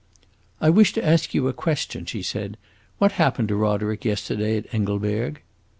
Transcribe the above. "I wish to ask you a question," she said. "What happened to Roderick yesterday at Engelberg?"